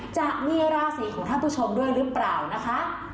จะมีราศีของท่านผู้ชมด้วยหรือเปล่านะคะ